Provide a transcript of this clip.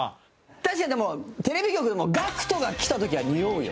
確かに、でも、テレビ局でもＧＡＣＫＴが来た時は匂うよ。